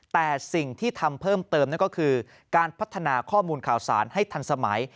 แต่สิ่งที่ทำเพิ่มเติมนั่นก็คือการพัฒนาข้อมูลข่าวสารให้ทันสมัย